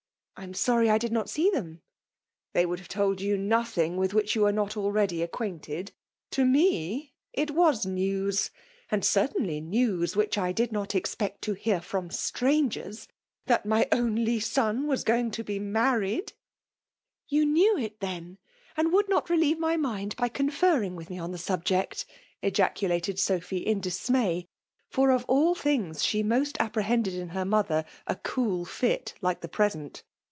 I am sorry I did not see them." " They wcmld have told yon BOthmg with wfakh you were not already acquainted — ^to me, it waa news ; and, certainly^ news which I did not expect to hear firom strangers — that my only son was gomg to be married l" You knew it then, and wonld not relieve my mind by conferring with me on the sab* ject»'' qacolated Sophy, .in dismay ; for, of all things, she most apprehended in her mother a oool fit like the present.